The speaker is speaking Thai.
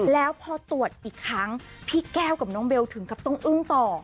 แล้วพอตรวจอีกครั้งพี่แก้วกับน้องเบลถึงกับต้องอึ้งต่อ